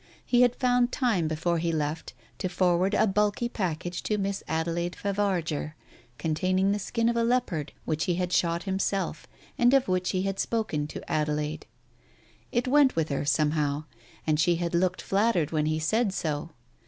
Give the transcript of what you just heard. He had found time before he left to forward a bulk)r package to Miss Adelaide Favarger, containing the skin of a leopard which he had shot himself, and of which he had spoken to Adelaide. It went with her, somehow, and she had looked flattered when he said so.